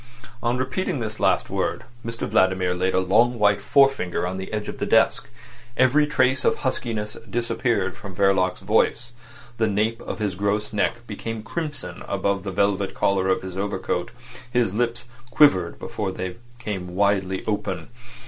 On repeating this last word Mr Vladimir laid a long white forefinger on the edge of the desk. Every trace of huskiness disappeared from Verloc's voice. The nape of his gross neck became crimson above the velvet collar of his overcoat. His lips quivered before they came widely open.